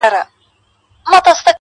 ما درته ویل چي په اغیار اعتبار مه کوه؛